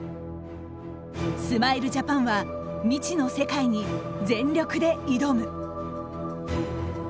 スマイルジャパンは未知の世界に全力で挑む。